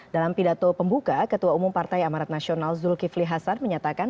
dalam pidato pembuka ketua umum partai amarat nasional zulkifli hasan menyatakan